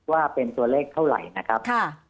ว่าเป็นตัวเลขเท่าไหร่นะครับ